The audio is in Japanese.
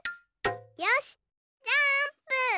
よしジャーンプ！